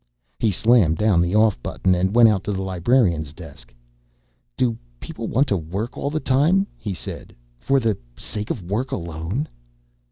He slammed down the off button and went out to the librarian's desk. "Do people want to work all the time," he said, "for the sake of work alone?"